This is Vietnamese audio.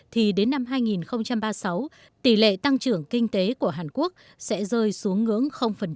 thì đến năm hai nghìn ba mươi sáu tỷ lệ tăng trưởng kinh tế của hàn quốc sẽ rơi xuống ngưỡng